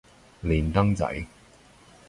連登仔